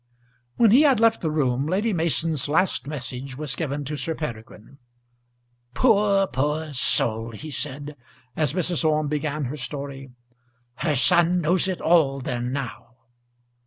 When he had left the room Lady Mason's last message was given to Sir Peregrine. "Poor soul, poor soul!" he said, as Mrs. Orme began her story. "Her son knows it all then now."